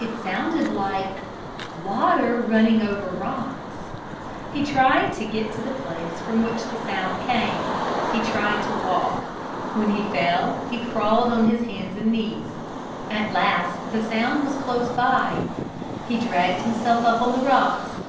It sounded like water running over rocks. He tried to get to the place from which the sound came. He tried to walk. When he fell he crawled on his hands and knees. At last the sound was close by. He dragged himself up on the rocks.